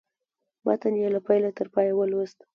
متن یې له پیله تر پایه ولوست.